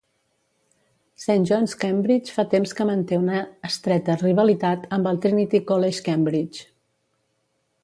Saint John's, Cambridge fa temps que manté una estreta rivalitat amb el Trinity College, Cambridge.